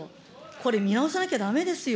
これ、見直さなきゃだめですよ。